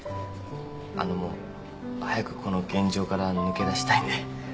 あの早くこの現状から抜け出したいんで。